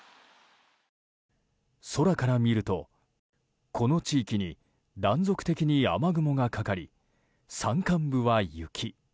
空から見るとこの地域に断続的に雨雲がかかり山間部は雪。